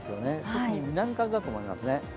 特に南風だと思います。